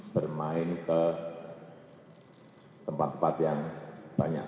bermain ke tempat tempat yang banyak